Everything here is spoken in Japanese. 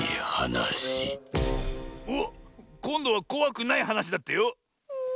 おっこんどはこわくないはなしだってよ。